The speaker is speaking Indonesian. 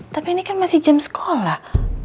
tapi ini kan masih jam sekolah